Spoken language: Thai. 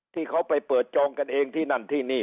ที่เขาไปเปิดจองกันเองที่นั่นที่นี่